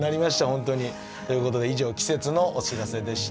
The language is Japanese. ということで以上季節のお知らせでした。